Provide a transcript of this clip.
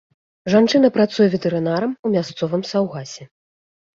Жанчына працуе ветэрынарам у мясцовым саўгасе.